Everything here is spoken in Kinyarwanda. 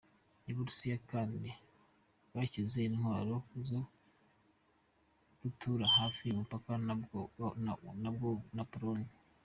U Burusiya kandi bwashyize intwaro za rutura hafi y’umupaka wabwo na Pologne.